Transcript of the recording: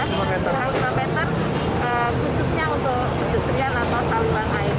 kurang lima meter khususnya untuk deserian atau saluran